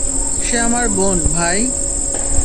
সে আমার বোন, ভাই!